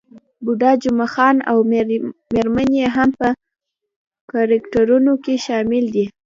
بوډا جمعه خان او میرمن يې هم په کرکټرونو کې شامل دي.